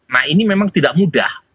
nah ini memang tidak mudah